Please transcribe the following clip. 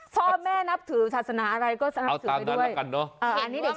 พ่อแม่นับถือศาสนาอะไรก็นับถือไปด้วย